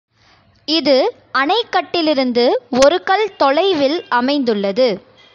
இது அணைக் கட்டிலிருந்து ஒருகல் தொலைவில் அமைந்துள்ளது.